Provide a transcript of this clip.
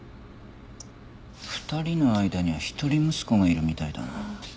２人の間には一人息子がいるみたいだな。